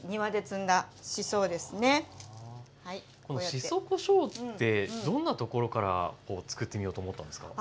しそこしょうってどんなところからこうつくってみようと思ったんですか？